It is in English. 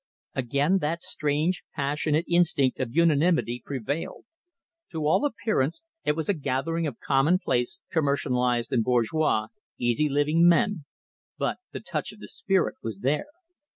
Again that strange, passionate instinct of unanimity prevailed. To all appearance it was a gathering of commonplace, commercialised and bourgeois, easy living men, but the touch of the spirit was there.